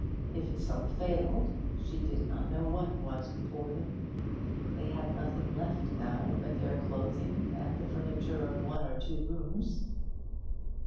If his hope failed, she did not know what was before them; they had nothing left now but their clothing and the furniture of one or two rooms.